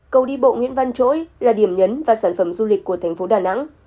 cầu đi bộ nguyễn văn chỗi là điểm nhấn và sản phẩm du lịch của thành phố đà nẵng